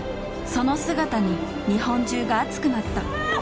その姿に日本中が熱くなった。